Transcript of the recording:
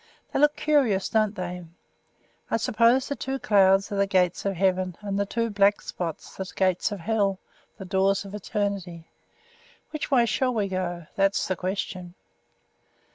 They look curious, don't they? I suppose the two clouds are the Gates of Heaven, and the two black spots the Gates of Hell, the doors of eternity. Which way shall we go? That's the question."